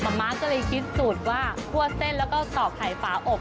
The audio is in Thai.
ม้าก็เลยคิดสูตรว่าคั่วเส้นแล้วก็ตอกไข่ฝาอบ